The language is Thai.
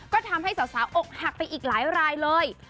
ก็ทำให้สาวอกหักไปอีกหลายรายเลย